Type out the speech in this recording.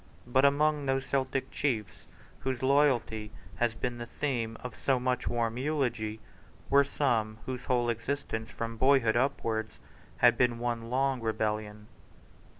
But among those Celtic chiefs whose loyalty has been the theme of so much warm eulogy were some whose whole existence from boyhood upwards had been one long rebellion.